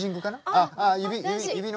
ああ指指の。